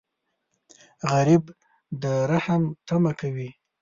غریب د رحم تمه کوي